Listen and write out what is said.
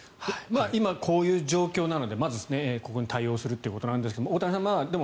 今、こういう状況なのでここに対応するということですが大谷さん